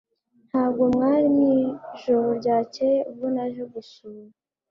Ntabwo mwari mwijoro ryakeye ubwo naje gusura